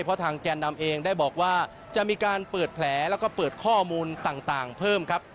เพราะทางแกนนำเองได้บอกว่าจะมีการเปิดแผลแล้วก็เปิดข้อมูลต่างเพิ่มครับ